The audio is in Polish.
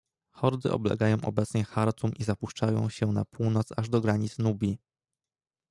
Hordy oblegają obecnie Chartum i zapuszczają się na północ aż do granic Nubii.